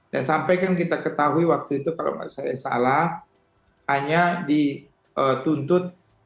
dan sampai kan kita ketahui waktu itu kalau saya salah hanya dituntut